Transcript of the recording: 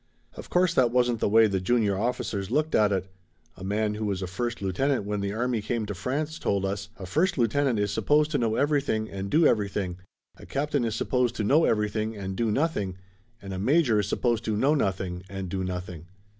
Of course that wasn't the way the junior officers looked at it. A man who was a first lieutenant when the army came to France told us: "A first lieutenant is supposed to know everything and do everything; a captain is supposed to know everything and do nothing, and a major is supposed to know nothing and do nothing."